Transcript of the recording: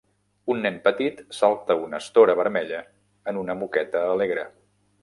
Un nen petit salta una estora vermella en una moqueta alegre.